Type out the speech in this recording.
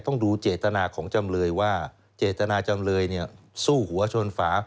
ต้องดูเจตนาของจำเลยว่าเจตนาจำเลยสู้หัวชนฝา